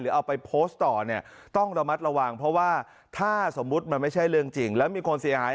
เอาไปโพสต์ต่อเนี่ยต้องระมัดระวังเพราะว่าถ้าสมมุติมันไม่ใช่เรื่องจริงแล้วมีคนเสียหาย